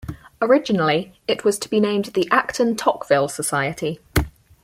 Originally, it was to be named the Acton-Tocqueville Society.